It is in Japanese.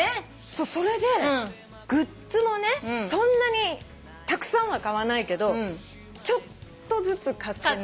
そうそれでグッズもそんなにたくさんは買わないけどちょっとずつ買ってね。